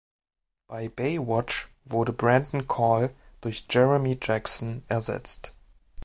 Bei "Baywatch" wurde Brandon Call durch Jeremy Jackson ersetzt.